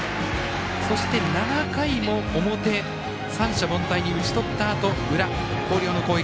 そして、７回の表三者凡退に打ち取ったあと裏、広陵の攻撃。